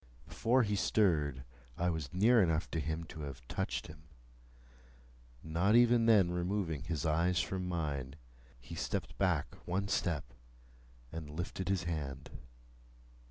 Before he stirred, I was near enough to him to have touched him. Not even then removing his eyes from mine, he stepped back one step, and lifted his hand.